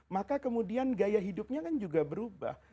maka kemudian gaya hidupnya kan juga berubah